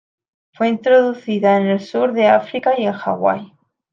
Fue introducida en el sur de África y en Hawaii.